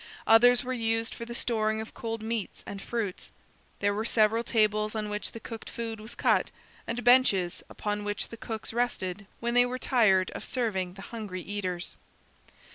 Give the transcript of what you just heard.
Others were used for the storing of cold meats and fruits. There were several tables on which the cooked food was cut, and benches upon which the cooks rested when they were tired of serving the hungry eaters.